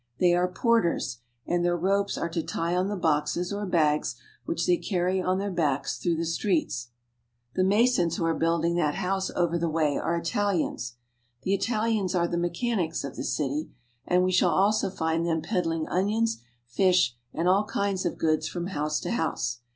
They are porters, and their ropes are to tie on the boxes or bags which they carry on their backs through the streets. The masons who are building that house over the way are ItaHans. The Italians are the mechanics of the city, and we shall also find them peddling onions, fish, and all kinds of goods from house to house.